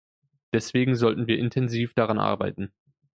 Deswegen sollten wir intensiv daran arbeiten.